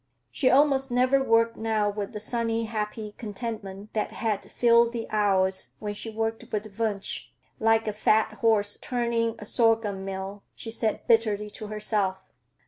She almost never worked now with the sunny, happy contentment that had filled the hours when she worked with Wunsch—"like a fat horse turning a sorgum mill," she said bitterly to herself.